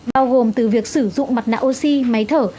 bao gồm từ việc sử dụng mặt nạ oxy máy thở